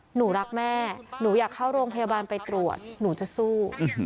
หนูรักแม่หนูอยากเข้าโรงพยาบาลไปตรวจหนูจะสู้